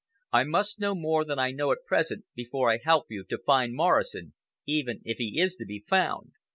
I must know more than I know at present before I help you to find Morrison, even if he is to be found.